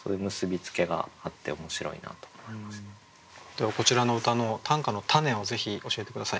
ではこちらの歌の短歌のたねをぜひ教えて下さい。